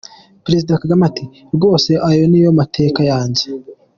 Perezida Kagame ati :"Rwose ayo ni yo mateka yanjye.